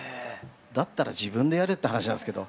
だったら自分でやれって話なんですけど。